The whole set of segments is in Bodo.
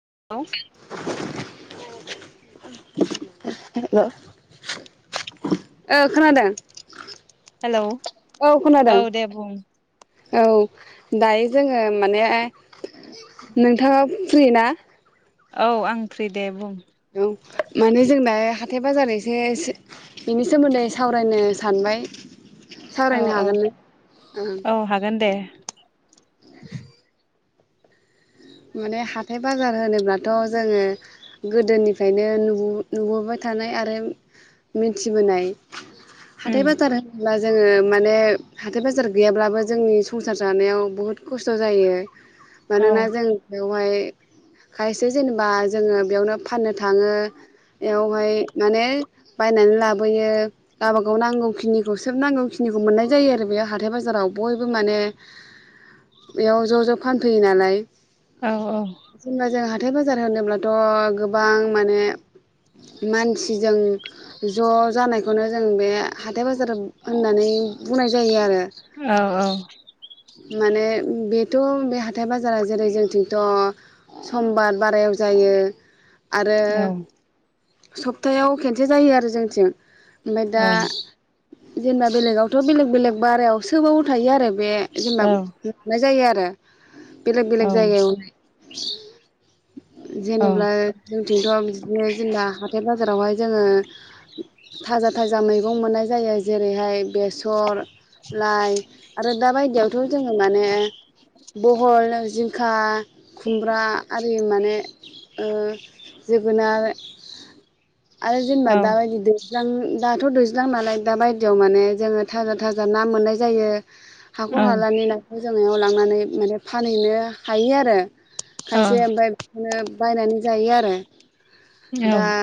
[unintelligible] औ हेल' ओ खोनादों हेलौ औ दे बुं औ दायो जोंङो माने नोंथाङा फ्रि ना? औ आं फ्रि दे बुं। औ माने जोंना हाथाय बाजार एसे बिनि सोमोन्दै सावरायनो सानबाय। औ सावरायनो औ हागोन नों ओं औ हागोन दे। [inaudible] माने हाथाय बाजार होनोब्लाथ' जोंङो गोदोनिफ्रायनो नुबोबाय थानाय आरो मिथिबोनाय। हाथाय उम बाजार होनोल्बाथ जोङो माने हाथाय बाजार गैयाब्लाबो जोंनि संसार जानायाव बुहुद खस्थ' जायो। औ मानोना जों बेवहाय खायसे जेनेबा जोंङो बेयावनो फाननो थाङो। बेयावहाय माने बायनानै लाबोयो गाबागाव नांगौखिनिखौ सोब नांगौ खिनिखौ मोननाय जायो आरो बे हाथाय बाजाराव बयबो माने बेयाव ज' ज' फान फैयो नालाय। औ जेनबा जों हाथाय बाज जाय होनोब्लाथ' गोबां मने मसिजों ज' जानायखौनो जों बे हाथाय बाज जाय होननानै बुंनाय जायो आरो। औ माने बेथ' बे हाथाय बाजारा जेरै जोंनिथिं थ' समबार बारायाव जायो। आरो औ सप्तायाव खेनसे जायो आरो जोंथिं ओमफ्राय औ दा जेनेबा बेलेगावथ' बेलेग बेलेग बारायाव सोबाव थायो आरो बे जेनेबा मोननाय जायो आरो ओ बेलेग-बेलेग जायगायाव जेनेबा जोंथिंथ बिदिनो जेनेबा हाथाय बाजारावहाय जोंङो थाजा-थाजा मैगं मोननाय जायो जेरैहाय बेसर लाइ आरो दाबाय जोंङो माने बहल जिंखा खुमब्रा आरि ओ माने जोगोनार आरो जेनेबा औ दाबायदि देरज्लां दाथ दैज्लां नालाय दा बायदियाव माने जोंङो थाजा-थाजा ना मोननाय जायो औ हाखर हालानि नाखौ जों फायाव लांनानै माने फानहैनो हायो आरो खायसे ओमफाय बिदिनो बायनानै जायो आरो दा औ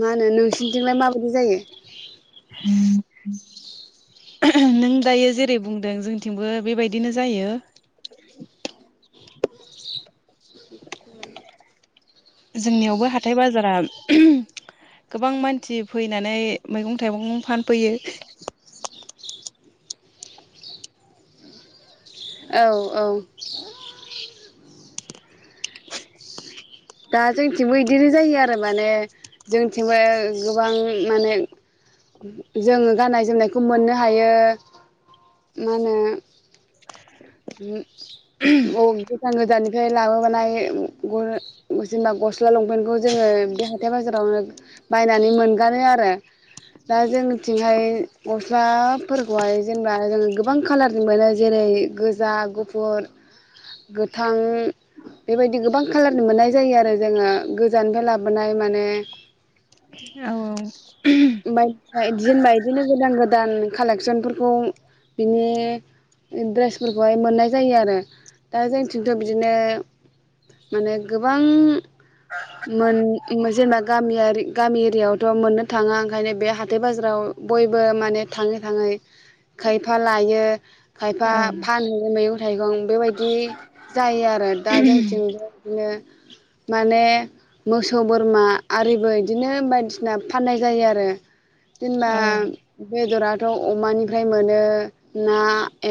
माहोनो नोंसि थिंलाय माबायदि जायो? नों दायो जेरै बुंदों जोंथिंबो बेबायदिनो जायो जोंनियावबो हाथाय बाजारा गोबां मानसि फैनानै मैगं थाइगं फानफैयो औ-औ दा जोंथिंबो इदिनो जायो आरो माने जोंथिंबो गोबां माने जोंङो गाननाय जोमनायखौ मोननो हायो मा होनो गोजान गोजाननिफ्राय लाबोबाय ग जेनेबा गस्ला लंपेन्टखौ जोंङो बे हाथाय बाजारावनो बायनानै मोनगानो आरो दा जोंथिंहाय गस्लाफोरखौहाय जेनेबा जोंङो गोबां खाालारनि मोनो जेरै गोजा, गुफुर गोथां बेबायदि गोबां खाालारनि मोननाय जायो आरो जोंङो गोजाननि लाबोनाय माने औ बायदिसिना [unintelligible] बिदिनो गोदान-गोदान कालेकसनफोरखौ बिनि द्रेसफोरखौहाय मोननाय जायो आरो दा जोंथिंथ' गोबां मोन जेनेबा गामि गामियारि एरियाआवथ' मोननो थाङा ओंखायनो बे हाथाय बाजाराव बयबो माने थांङै-थांङै खायफा लायो खायफा औ फानो। मैगं-थाइगं बेबायदि जायो आरो दा जोंथिंबो बिदिनो माने मोसौ बोरमा आरिबो इदिनो बायदिसिना फाननाय जायो आरो। जेनेबा औ औ बेदर [unintelligible] दाव अमानिफ्राय मोनो ना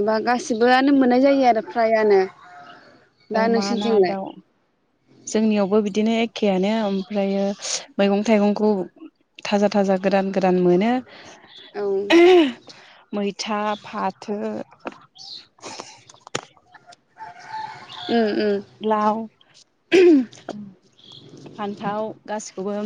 एबा गासिबोआनो मोननाय जायो आरो फ्रायानो। दा अमा, ना, नोंसिनिथिंलाय दाउ जोंनियावबो बिदिनो एखेआनो ओमफ्रायो मैगं-थाइगंखौ थाजा-थाजा गोदान-गोदान मोनो। औ उम मैथा, फाथो [unintelligible] ओम-ओम। लाव फान्थाव गासिखौबो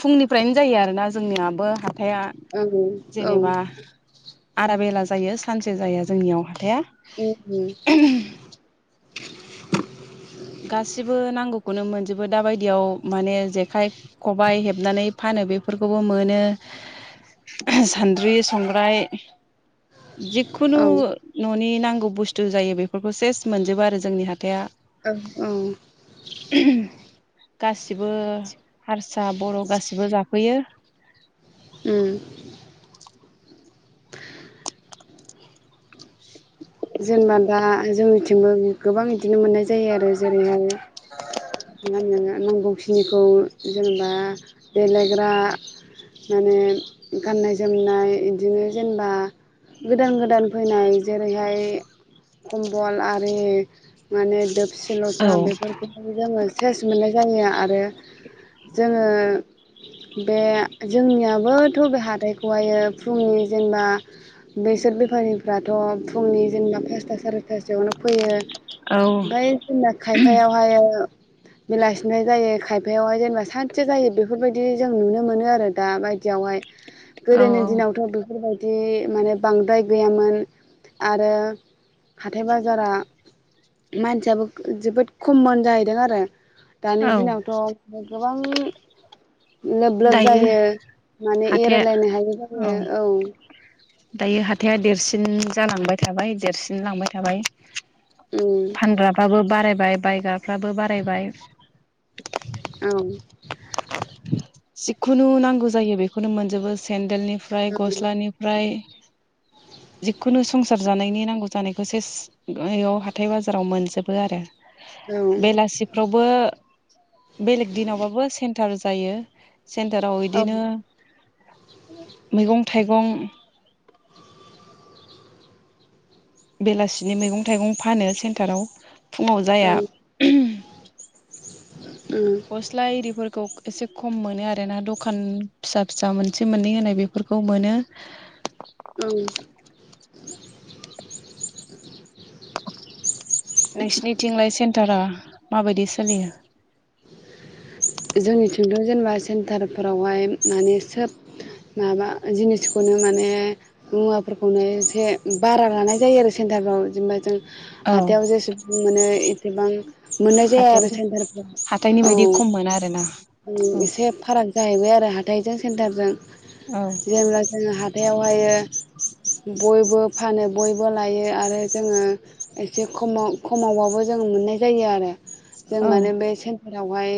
फुंनिफ्रायनो जायो आरोना जोंनियाबो हाथाया ओं ओं औ। जेनेबा आदा बेला जायो सानसे जाया जोंनियाव हाथाइआ। उम। [unintelligible] गासिबो नांगौखौनो मोनजोबो दाबायदियाव माने जेखाइ- खबाइ हेबनानै फानो बेफोरखौबो मोनो सान्द्रि- संग्राय जिखुनु औ न'नि [unintelligible] नांगौ बुस्थु जायो बेफोरखौ सेस मोनजोबो आरो जोंनि हाथाय आ औ औ। गासिबो हारसा बर' गासिबो जाफैयो। ओम। जेनेबा दा जोंनिथिंबो गोबां बिदिनो मोननाय जायो आरो जेरैहाय मा होनो नांगौखिनिखौ जेनेबा देलायग्रा माने गाननाय -जोमनाय इदिनो जेनेबा गोदान गोदान फैनाय जेरै ओमफ्राय खम्बल आरि माने दोबसि औ लथा बेफोरखौबो जोङो सेस मोननाय जायो आरो जोङो बे जोंनियाबोथ' बे हाथाइखौहायो फुंनि जेनेबा बेसोर बेफारिफ्रा थ' फुंनि जेनेबा पासथा सारायफास्थायावनो फैयो। औ ओमफ्राय जोंना खायफायावहाय बेलासिनि फ्राय जायो। खायफायावहाय जेनेबा सानसे जायो बेफोरबायदि जों नुनो मोनो आरो दा बायदियावहाय औ गोदोनि दिनावथ' बेफोरबायदि बिदि माने बांद्राय गैयामोन। आरो हाथाय बाजारा मानसियाबो जोबोद खममोन जाहैदों आरो दानि औ दिनावथ' गोबां लोब लोब दायो जायो माने हाथाया एरायलायनो हायि जायो औ दायो हाथाया देरसिन जालांबाय थाबाय देरसिन लांबाय थाबाय उम फानग्राफोराबो बारायबाय बायग्राफ्राबो बारायबाय औ जिखुनु नांगौ जायो बेखौनो मोनजोबो सेन्देलनि फ्राय गस्लानिफ्राय जिखुनु संसार जानायनि नांगौ जानायखौ से बेयाव हाथाय बाजाराव मोनजोबो आरो औ बेलासिफ्रावबो बेलेग दिनावबाबो सेन्टार जायो। सेन्टाराव बिदिनो मैगं -थाइगं बेलासिनि मैगं -थाइगं फानो सेन्टाराव फुङाव औ जाया [inaudible] गस्ला एरिफोरखौ एसे खम मोनो आरो ना दखान फिसा- फिसा मोनसे मोननै होनाय बेफोरखौ मोनो। औ [inaudible] नोंसिनि थिंलाय सेन्टाराव माबायदि सोलियो। जोंनिथिंथ' जेनेबा सेन्टारफोरावहाय माने सोब माबा जिनिसखौनो माने मुवाफोरखौनो एसे बारा लानाय जायो आरो सेन्टारफोराव जेनेबा जों औ हाथायाव जेसेबां मोनो इसेबां मोननाय जाया आरो सेन्टारफोराव हाथाइनि बायदि खम मोन आरो ना औ एसे फाराग जाहैबाय आरो हाथायजों सेन्टारजों औ जेब्ला जोङो हाथायाव हायो बयबो फानो बयबो लायो आरो जोङो एसे खमाव खमावबाबो जों मोननाय जायो आरो जों औ माने बे जेरावहाय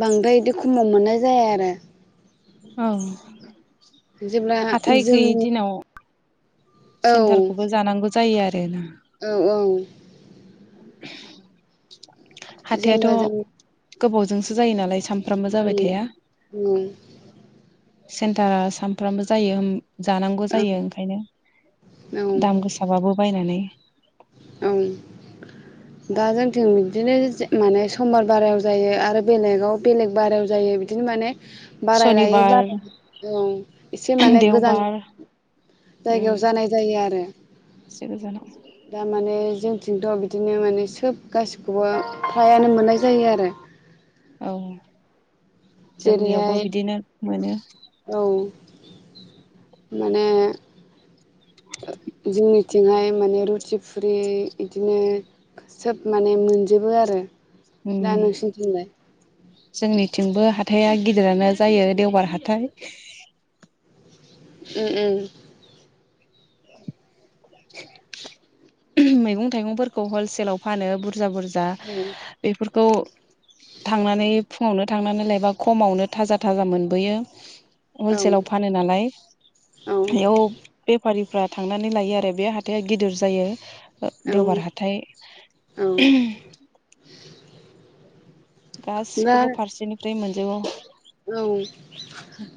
बांद्राय इदि खमाव मोननाय जाया आरो औ जेब्ला हाथाय गैयै जों दिनाव औ सेन्टारखौबो जानांगौ जायो आरोना औ औ [inaudible] जेनेबा जों गोबाव जोंसो जायो नालाय साम ओं ओं ओम सेन्टारा सानफ्रामबो जायो ओम जानांगौ जायो औ ओंखायनो दाम औ गोसाबाबो बायनानै औ दा जोंथिं बिदिनो माने समार बारायाव जायो आरो बेलेगाव बेलेग बारायाव जायो बिदिनो माने बाराय लायै सनिबार बाराय औ एसे माने गोजान देवबार उम जायगायाव जानाय जायो आरो एसे गोजानाव बे जोंथिंथ' बिदिनो माने सोब गासिखौबो फ्रायानो मोननाय जायो आरो औ जोंनियावबो जेरैहाय बिदिनो मोनो औ माने जोंनिथिंहाय माने रुथि फुरि बिदिनो सोब माने मोनजोबो आरो दा उम नोंसिनिथिंलाय? जोंनिथिंबो हाथाइआ गिदिरानो जायो देवबार हाथाइ। ओम ओम [inaudible] मैगं थाइगंफोरखौ हलसेलाव फानो बुरजा बुरजा जा उम बेफोर खौ थांनानै फुङावनो थांनानै लायबा खमावनो थाजा थाजा मोनबोयो। हलसेलाव फानो नालाय औ बेयाव बेफारि फ्रा थांनानै लायो आरो बे हाथाइआ गिदिर जायो। औ देवबार हाथाय। औ दा गासिखौबो फारसेनिफ्राय मोनो द औ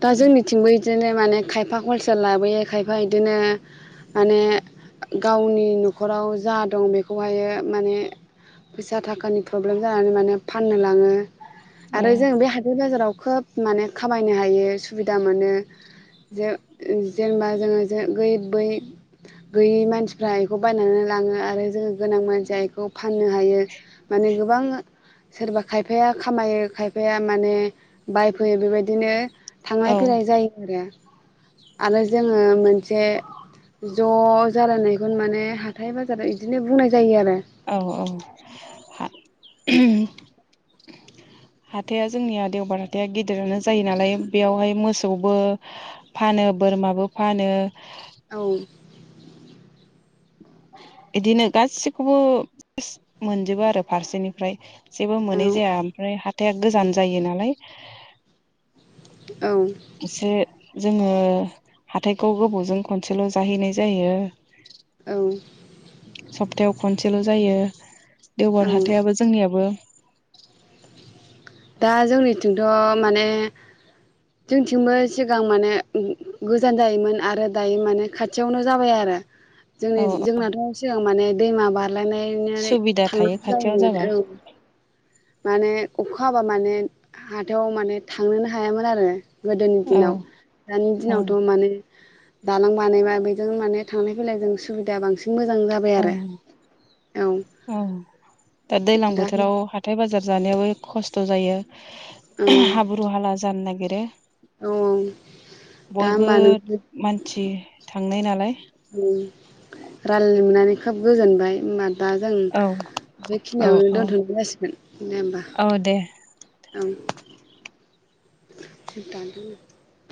दा जोंनिथिंबो इ बिदिनो माने खायफा हलसेल लाबोयो खायफा बिदिनो माने गावनि न'खराव जा दं बेखौहाय माने फैसा थाखानि प्रब्लेम जानानै माने फाननो लाङो। औ आरो जों बे हाथाय बाजाराव खोब माने खामायनो हायो सुबिदा मोनो जेनेबा जोङो बै गैयै मानसिफ्रा बेखौ बायनानै लाङो आरो जोङो गोनां मानसिया बेखौ फाननो हायो माने गोबां सोरबा खायफाया खामायो खायफाया माने बायफैयो बेबायदिनो थांलाय औ फैलाय जायो आरो आरो जोङो मोन जसे ज' जालायनायखौनो माने हाथाय बाजाराव बिदिनो बुंनाय जायो आरो औ औ हाथाया जोंनिया देवबार हाथाइा गेदेरानो जायो नालाय बेयावहाय मोसौबो फानो बोरमाबो फानो औ बिदिनो गासिखौबो मोनजोबो आरो फारसेनिफ्राय। जेबो मोनै औ जाया ओमफ्राय हाइ गोजान जायो नालाय औ एसे जोङो हाथाइखौ गोबावजों खनसेल' जाहैनाय जायो। औ सप्तायाव खनसेल' जायो। देवबार औ हाथायाबो जोंनियाबो दा जोंनिथिंथ' माने जोंनिथिंबो सिगां माने गोजान जायोमोन आरो दायो माने खाथियावनो जाबाय आरो। जोंनि औ जोंनाथ' सिगां माने [unintelligible] दैमा बारलायनानै सुबिदा थायो थांनांगौ खाथियाव जाबा जायोमोन औ। माने अखा हाबा माने हाथायाव माने थांनोनो हायामोन आरो। गोदोनि औ दिनाव दानि औ दिनावथ' माने दालां बानाय बेजों माने थांलाय फैलायजों सुबिदाया बांसिन। मोजां जाबाय औ आरो औ दा दैज्लां बोथोराव हाथाय बाजार जानाय आवबो खस्थ' जायो। औ हाब्रु हाला जानो नागिरो दे औ दा बयबो होमबा नों मानसि था थांनाय नालाय राल मोननानै खोब गोजोनबाय होनबा दा जों औ औ बेखिनियावनो औ दोनथ'नाय जासिगोन दे होमबा। औ दे ओं